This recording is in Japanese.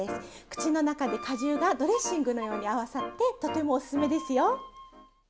口の中で果汁がドレッシングのように合わさってとてもおすすめですよ。